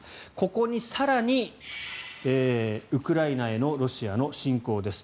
ここに更にウクライナへのロシアの侵攻です。